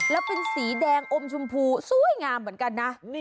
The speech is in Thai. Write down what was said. แล้วเป็นสีแดงอมชมพูสวยงามเหมือนกันนะ